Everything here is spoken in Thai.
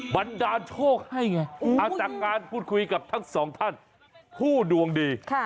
บันดาลโชคให้ไงจากการพูดคุยกับทั้งสองท่านผู้ดวงดี